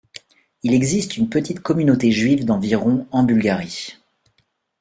Il existe une petite communauté juive d'environ en Bulgarie.